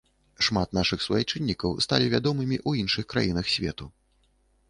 Шмат нашых суайчыннікаў сталі вядомымі ў іншых краінах свету.